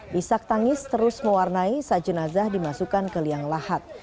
bisak tangis terus mewarnai saat jenazah dimasukkan ke liang lahat